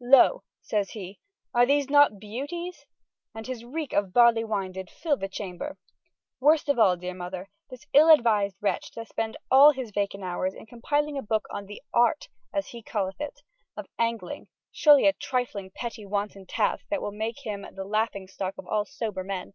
Lo, says he, are these not beuties? And his reek of barley wine did fille the chamber. Worste of alle, deare Mother, this all advised wretche doth spend alle his vacant houres in compiling a booke on the art (as he calleth it) of angling, surely a trifling petty wanton taske that will make hym the laughing stocke of all sober men.